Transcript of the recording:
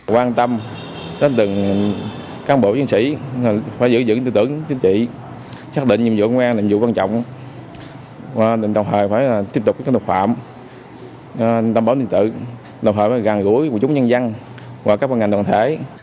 quan tâm đến từng cán bộ dân sĩ phải giữ tư tưởng chính trị xác định nhiệm vụ công an là nhiệm vụ quan trọng và đồng thời phải tiếp tục các thuật phạm tâm bóng tình tự đồng thời phải gàng gũi của chúng nhân dân và các ngành đoàn thể